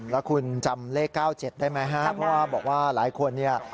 แล้วคุณจำเลข๙๗ได้ไหมฮะเพราะว่าบอกว่าหลายคนเนี่ย